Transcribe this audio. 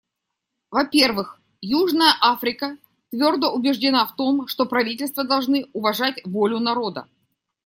Во-первых, Южная Африка твердо убеждена в том, что правительства должны уважать волю народа.